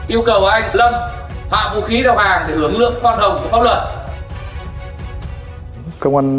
yêu cầu anh lâm hạ vũ khí đầu hàng để hướng lượng phát hồng pháp luật